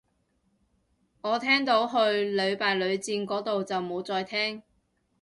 我聽到去屢敗屢戰個到就冇聽